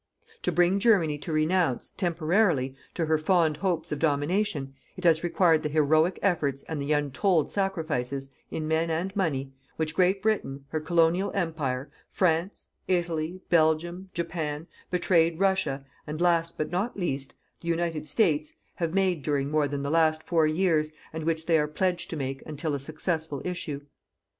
To bring Germany to renounce temporarily to her fond hopes of domination, it has required the heroic efforts and the untold sacrifices, in men and money, which Great Britain, her Colonial Empire, France, Italy, Belgium, Japan, betrayed Russia, and, LAST BUT NOT LEAST, the United States, have made during more than the last four years and which they are pledged to make until a successful issue.